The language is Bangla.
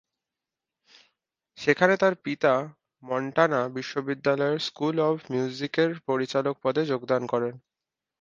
সেখানে তার পিতা মন্টানা বিশ্ববিদ্যালয়ের স্কুল অব মিউজিকের পরিচালক পদে যোগদান করেন।